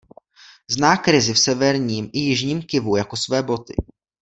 Zná krizi v severním i jižním Kivu jako své boty.